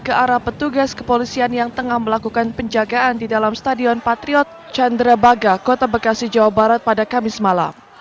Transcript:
ke arah petugas kepolisian yang tengah melakukan penjagaan di dalam stadion patriot candrabaga kota bekasi jawa barat pada kamis malam